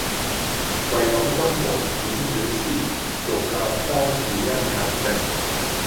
為感君王輾轉思，遂教方士殷勤覓。